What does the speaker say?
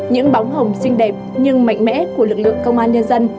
những bóng hồng xinh đẹp nhưng mạnh mẽ của lực lượng công an nhân dân